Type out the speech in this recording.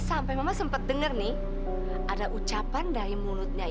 sampai jumpa di video selanjutnya